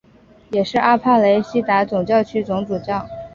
也是阿帕雷西达总教区总主教。